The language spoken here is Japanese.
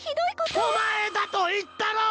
お前だと言ったろうが！